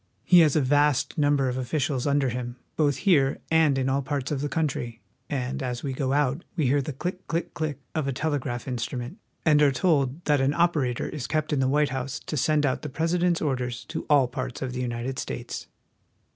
He has a vast number of officials under him, both here and in all parts of the country ; and as we go out we hear the click, click, click of a telegraph instrument, and are told that an operator is kept in the White House to send out the President's orders to all parts of the United States.